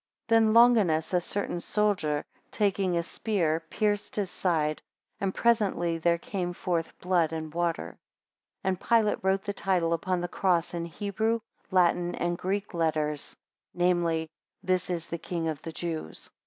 8 Then Longinus, a certain soldier, taking a spear, pierced his side, and presently there came forth blood and water. 9 And Pilate wrote the title upon the cross in Hebrew, Latin, and Greek letters, viz., THIS IS THE KING OF THE JEWS.